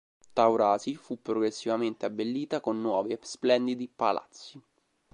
Taurasi, fu progressivamente abbellita con nuovi e splendidi palazzi.